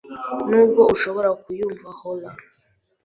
Nubwo ushobora kunyumva holler,